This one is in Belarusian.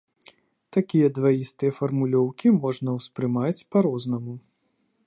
Такія дваістыя фармулёўкі можна ўспрымаць па-рознаму.